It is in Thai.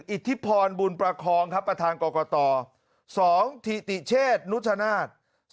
อิทธิพรบุญประคองครับประธานกรกต๒ถิติเชษนุชนาธิ์